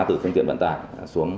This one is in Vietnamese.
từ phương tiện vận tải xuống